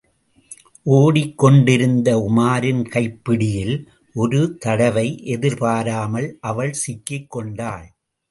ஒடிக் கொண்டிருந்த உமாரின் கைப்பிடியில் ஒரு தடவை எதிர்பாராமல் அவள் சிக்கிக்கொண்டாள்.